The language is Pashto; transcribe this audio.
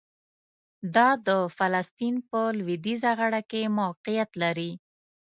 دا د فلسطین په لویدیځه غاړه کې موقعیت لري.